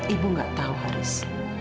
ibu tidak tahu haris